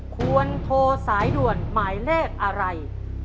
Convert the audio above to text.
ควรโทรสายด่วนหมายเลขอะไร